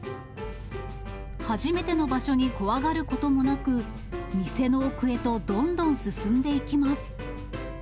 初めての場所に怖がることもなく、店の奥へとどんどん進んでいきます。